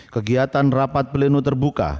kegiatan rapat pelenuh terbuka